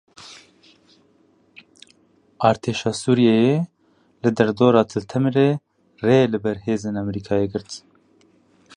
Artêşa Sûriyeyê li derdora Til Temirê rê li ber hêzên Amerîkayê girt.